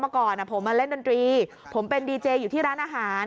ก่อนผมมาเล่นดนตรีผมเป็นดีเจอยู่ที่ร้านอาหาร